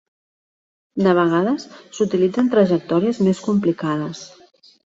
De vegades s'utilitzen trajectòries més complicades.